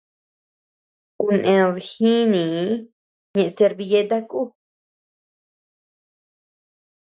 Kuned jinii ñeʼe servilleta ku.